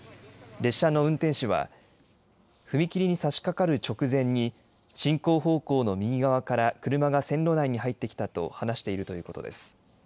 列車の運転士は、踏切にさしかかる直前に、進行方向の右側から車が線路内に入ってきたと話しているということです。